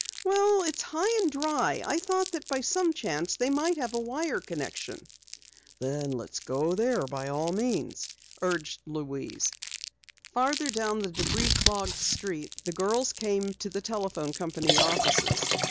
"Well, it's high and dry. I thought that by some chance they might have a wire connection." "Then let's go there by all means," urged Louise. Farther down the debris clogged street the girls came to the telephone company offices.